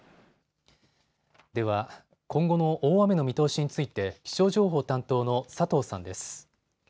では、今後の大雨の見通しについて気象情報担当の佐藤さんです。